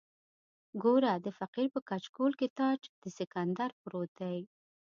ګوره د فقیر په کچکول کې تاج د سکندر پروت دی.